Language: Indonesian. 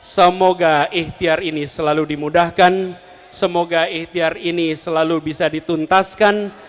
semoga ikhtiar ini selalu dimudahkan semoga ikhtiar ini selalu bisa dituntaskan